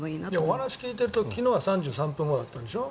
お話を聞いてると昨日は３３分後だったんでしょ。